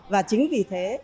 và chính vì thế